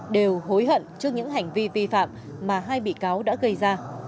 đều hối hận trước những hành vi vi phạm mà hai bị cáo đã gây ra